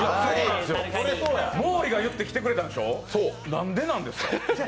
毛利が言って来てくれたんでしょ、なんでなんですか。